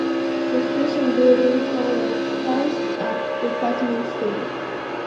The station building housed a department store.